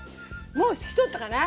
もう透き通ったかな？